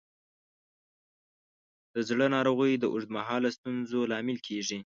د زړه ناروغۍ د اوږد مهاله ستونزو لامل کېږي.